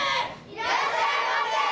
いらっしゃいませ！